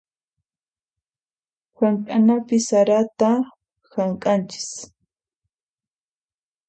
Hamk'anapi sarata hamk'anchis.